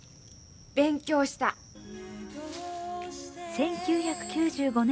１９９５年